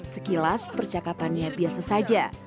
sekilas percakapannya biasa saja